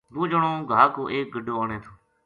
وہ جنو گھا کو ایک گڈو آنے تھو